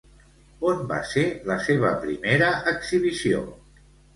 On va ser la seva primera exhibició?